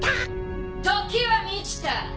時は満ちた。